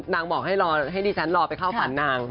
นางบอกให้ดีแซนรอไปเข้าฝันนาง